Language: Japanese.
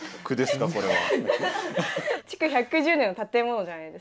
築１１０年の建物じゃないですか。